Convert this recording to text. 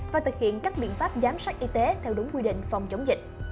và thực hiện các biện pháp giám sát y tế theo đúng quy định phòng chống dịch